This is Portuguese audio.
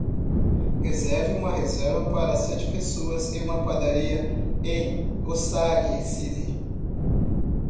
Reserve uma reserva para sete pessoas em uma padaria em Osage City